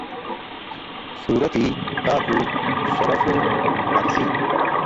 سوورەتی پاک و شەرەف و عەرزی